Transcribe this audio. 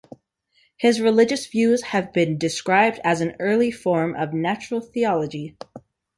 His religious views have been described as an early form of natural theology.